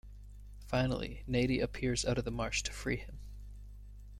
Finally, Nady appears out of the marsh to free him.